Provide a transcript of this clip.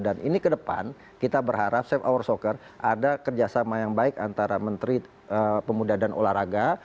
ini ke depan kita berharap safe hour soccer ada kerjasama yang baik antara menteri pemuda dan olahraga